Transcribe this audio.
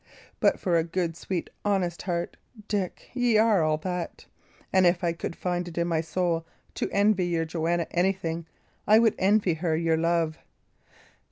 But for a good, sweet, honest heart, Dick, y' are all that; and if I could find it in my soul to envy your Joanna anything, I would even envy her your love."